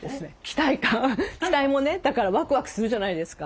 期待もねだからワクワクするじゃないですか。